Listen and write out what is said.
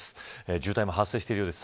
渋滞も発生しているようです。